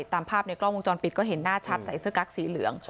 ตามภาพในกล้องวงจรปิดก็เห็นหน้าชัดใส่เสื้อกั๊กสีเหลือง